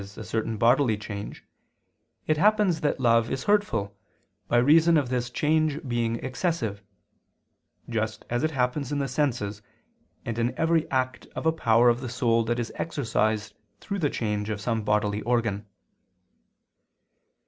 a certain bodily change, it happens that love is hurtful, by reason of this change being excessive: just as it happens in the senses, and in every act of a power of the soul that is exercised through the change of some bodily organ.